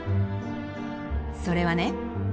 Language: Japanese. それはね